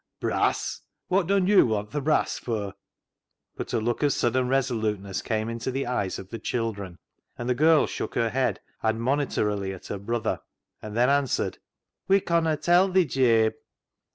" Brass ! Wot dun yo' want th' brass fur ?" But a look of sudden resoluteness came into the eyes of the children, and the girl shook her head admonitorily at her brother, and then answered —" We conna tell thi, Jabe."